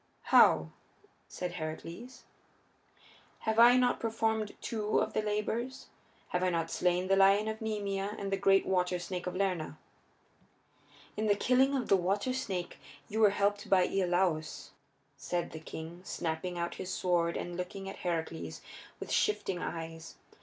"How?" said Heracles. "Have I not performed two of the labors? Have I not slain the lion of Nemea and the great water snake of Lerna?" "In the killing of the water snake you were helped by Iolaus," said the king, snapping out his words and looking at Heracles with shifting eyes.